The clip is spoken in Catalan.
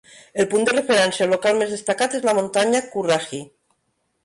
El punt de referència local més destacat és la muntanya Currahee.